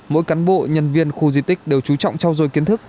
mỗi cán bộ nhân viên khu di tích đều trú trọng trao dồi kiến thức